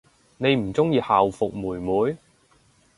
你唔鍾意校服妹妹？